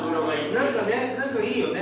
何かね何かいいよね。